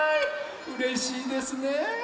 うれしいですね！